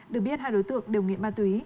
được biết hai đối tượng đều nghiện ma túy